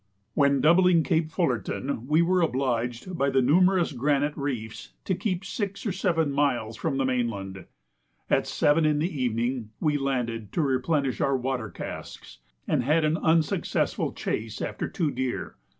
When doubling Cape Fullerton, we were obliged, by the numerous granite reefs, to keep six or seven miles from the mainland. At 7 in the evening we landed to replenish our water casks, and had an unsuccessful chase after two deer.